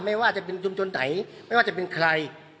ไม่ว่าจะเป็นชุมชนไหนไม่ว่าจะเป็นใคร